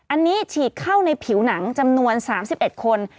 อันนี้ฉีกเข้าในผิวหนังจำนวน๓๑คน